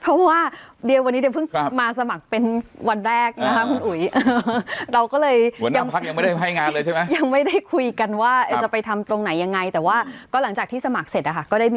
เพราะว่าเดียวันนี้เดี๋ยวเพิ่งมาสมัครเป็นวันแรกนะคะคุณอุ๋ย